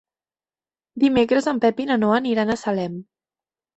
Dimecres en Pep i na Noa aniran a Salem.